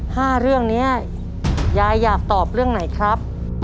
ห้าเรื่องนี้ยายอยากตอบเรื่องไหนครับ